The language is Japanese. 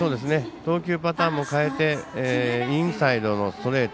投球パターンも変えてインサイドのストレート。